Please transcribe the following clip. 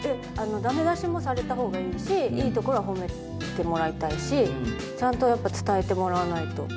だめ出しもされたほうがいいし、いいところは褒めてもらいたいし、ちゃんとやっぱ伝えてもらわないと。